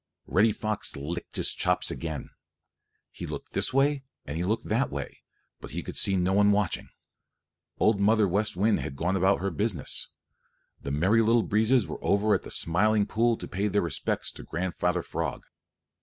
Reddy Fox licked his chops again. He looked this way and he looked that way, but he could see no one watching. Old Mother West Wind had gone about her business. The Merry Little Breezes were over at the Smiling Pool to pay their respects to Grandfather Frog.